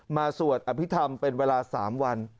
สวดอภิษฐรรมเป็นเวลา๓วัน